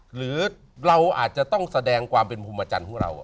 หรือเราอาจจะต้องแสดงความเป็นภูมิอาจารย์ของเรา